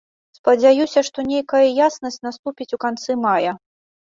Спадзяюся, што нейкая яснасць наступіць у канцы мая.